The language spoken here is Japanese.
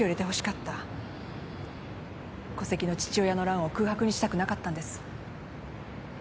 戸籍の父親の欄を空白にしたくなかったんです。